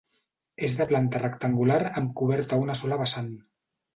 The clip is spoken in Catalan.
És de planta rectangular amb coberta a una sola vessant.